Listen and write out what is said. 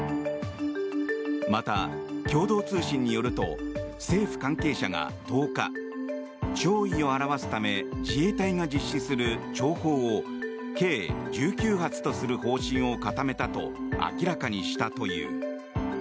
また、共同通信によると政府関係者が１０日弔意を表すため自衛隊が実施する弔砲を計１９発とする方針を固めたと明らかにしたという。